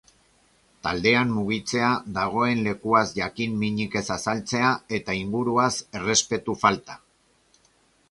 Taldean mugitzea, dagoen lekuaz jakin-minik ez azaltzea eta inguruaz errespetu falta.